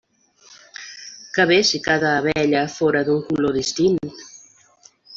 Que bé si cada abella fóra d'un color distint!